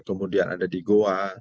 kemudian ada di goa